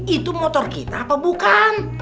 itu motor kita apa bukan